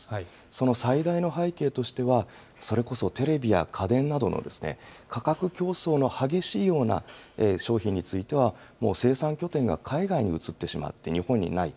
その最大の背景としては、それこそテレビや家電などの価格競争の激しいような商品については、もう生産拠点が海外に移ってしまって、日本にない。